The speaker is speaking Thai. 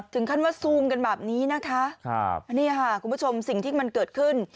ถึงขั้นว่าซูมกันแบบนี้นะคะครับนี่ค่ะคุณผู้ชมสิ่งที่มันเกิดขึ้น